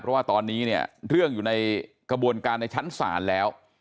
เพราะว่าตอนนี้เนี่ยเรื่องอยู่ในกระบวนการในชั้นศาลแล้ว